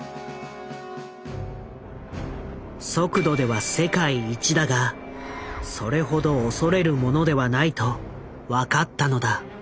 速度では世界一だがそれほど恐れるものではないと分かったのだ。